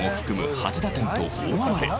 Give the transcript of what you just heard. ８打点と大暴れ。